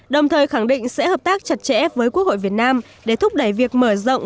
đồng thời khẳng định sẽ hợp tác chặt chẽ với quốc hội việt nam để thúc đẩy việc mở rộng